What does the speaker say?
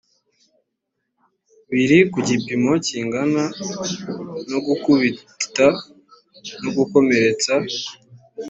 biri kugipimo kingana na no gukubita no gukomeretsa.